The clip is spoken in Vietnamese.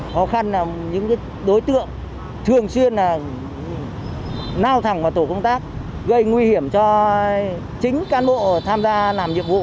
khó khăn là những đối tượng thường xuyên nao thẳng vào tổ công tác gây nguy hiểm cho chính cán bộ tham gia làm nhiệm vụ